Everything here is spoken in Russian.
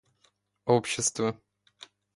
общества